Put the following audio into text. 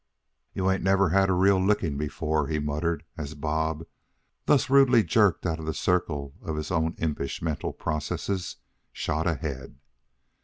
"You ain't never had a real licking before," he muttered as Bob, thus rudely jerked out of the circle of his own impish mental processes, shot ahead.